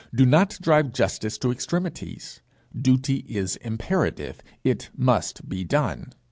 Do not drive Justice to extremities. Duty is imperative; it must be done.